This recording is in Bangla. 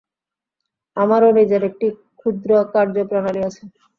আমারও নিজের একটি ক্ষুদ্র কার্য-প্রণালী আছে।